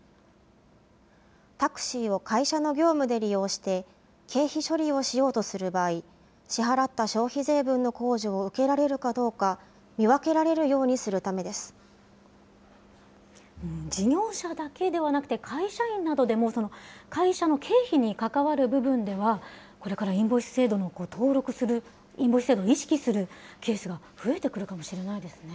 タクシーを会社の業務で利用して、経費処理をしようとする場合、支払った消費税分の控除を受けられるかどうか、見分けられるよう事業者だけではなくて、会社員などでも会社の経費に関わる部分では、これからインボイス制度の登録するインボイス制度を意識するケースが増えてくるかもしれないですね。